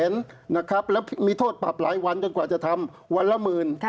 แล้วมีโทษปรับหลายวันจนกว่าจะทำวันละหมื่น